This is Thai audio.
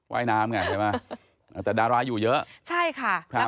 ว่ายน้ำไงใช่ไหมอ่าแต่ดาราอยู่เยอะใช่ค่ะครับ